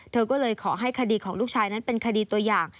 เธอก็เลยขอให้คดีของลูกชายนั้นเป็นคดีตัวอย่าง